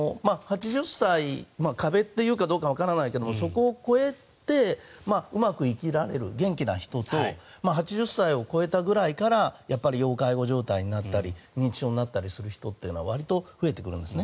８０歳、壁と言うかどうかわからないけれどそこを越えてうまく生きられる元気な人と８０歳を超えたぐらいからやっぱり要介護状態になったり認知症になったりする人ってわりと増えてくるんです。